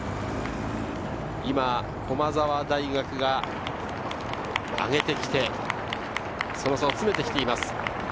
駒澤大学が上げてきて、その差を詰めてきています。